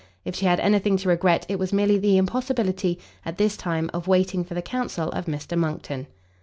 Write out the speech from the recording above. If she had any thing to regret, it was merely the impossibility, at this time, of waiting for the counsel of Mr Monckton.